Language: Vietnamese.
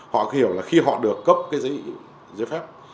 họ hiểu là khi họ được cấp giấy phép